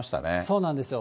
そうなんですよ。